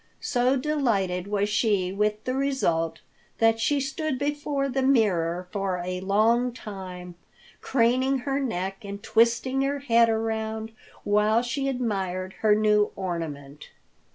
So delighted was she with the result that she stood before the mirror for a long time, craning her neck and twisting her head around while she admired her new ornament.